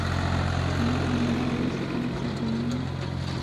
نه امدا اوس پاڅېدلمه.